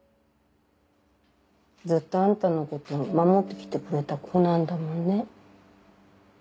ずっとあんたのこと守って来てくれた子なんだもんね。